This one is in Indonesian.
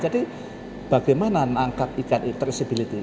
jadi bagaimana menangkap ikan traceability